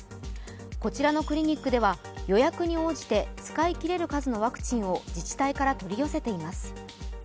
こちらのクリニックでは、予約に応じて使いきれる数のワクチンを自治体から取り寄せています。